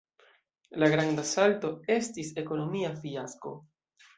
La Granda Salto estis ekonomia fiasko.